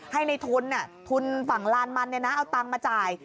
ให้ในทุนทุนฝั่งลานมันเอาตังค์มาจ่าย